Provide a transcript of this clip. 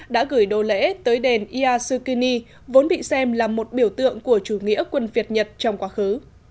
đã gửi đồ lễ tới đền iyashikuni vốn bị xem là một biểu tượng của chủ nghĩa quân việt nhật trong quá khứ